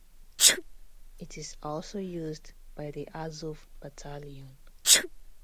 It is also used by the Azov Battalion.